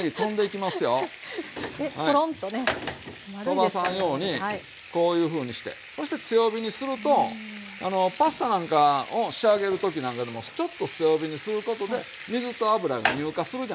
飛ばさんようにこういうふうにしてそして強火にするとパスタなんかを仕上げる時なんかでもちょっと強火にすることで水と油が乳化するじゃないですか。